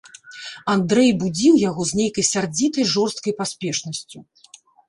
Андрэй будзіў яго з нейкай сярдзітай жорсткай паспешнасцю.